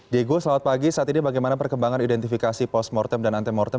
diego selamat pagi saat ini bagaimana perkembangan identifikasi post mortem dan antemortem